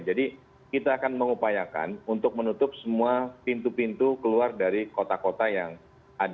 jadi kita akan mengupayakan untuk menutup semua pintu pintu keluar dari kota kota yang ada